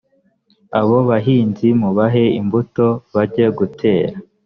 abo bahinzi mubahe imbuto bajye gutera